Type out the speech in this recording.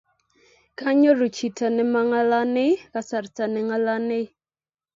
Kanyoru chito ne ma ng'alanei kasarta ne ng'alanei